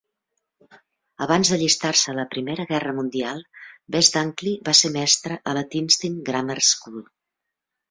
Abans d'allistar-se a la Primera Guerra Mundial, Best-Dunkley va ser mestre a la Tienstin Grammar School.